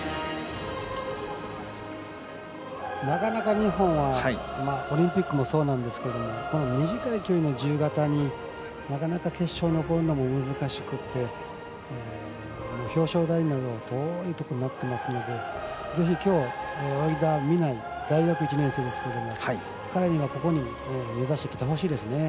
なかなか日本はオリンピックもそうなんですが短い距離の自由形になかなか、決勝に残るのが難しくって表彰台など遠いところに止まってますのでぜひきょう、南井大学１年生ですけど彼には、ここを目指してほしいですね。